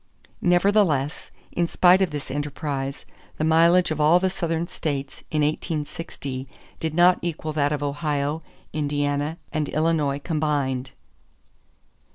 Nevertheless, in spite of this enterprise, the mileage of all the Southern states in 1860 did not equal that of Ohio, Indiana, and Illinois combined.